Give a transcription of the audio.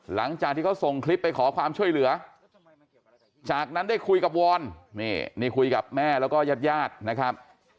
หลังจากที่เขาส่งคลิปไปขอความช่วยเหลือจากนั้นได้คุยกับวอนนี่นี่คุยกับแม่แล้วก็ญาติญาตินะครับ